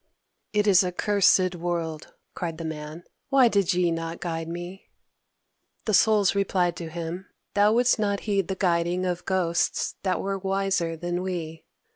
"It is a cursed world!" cried the Man "why did ye not guide me?" The Souls replied to him: "Thou wouldst not heed the guiding of ghosts that were wiser than we....